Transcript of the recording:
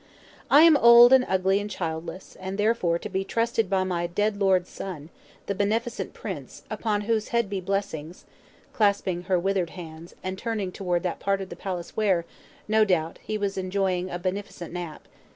"I am old and ugly and childless: and therefore, to be trusted by my dead lord's son, the beneficent prince, upon whose head be blessings," clasping her withered hands, and turning toward that part of the palace where, no doubt, he was enjoying a "beneficent" nap.